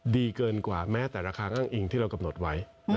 ดีเกินกว่าแม้แต่ราคาอ้างอิงที่เรากำหนดไว้